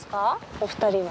お二人は？